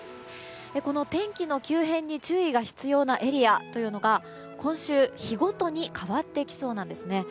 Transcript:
この天気の急変に注意が必要なエリアというのが今週、日ごとに変わってきそうなんですね。